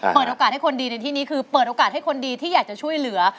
เปิดโอกาสให้คนดีในที่นี้คือเปิดโอกาสให้คนดีที่อยากจะช่วยเหลือ